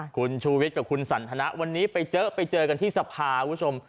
คุณชูวิทย์กับคุณสันทนะวันนี้ไปเจอไปเจอกันที่สภาคุณผู้ชม